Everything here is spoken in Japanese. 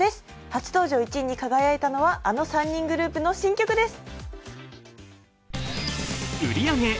初登場１位に輝いたのはあの３人グループの新曲です。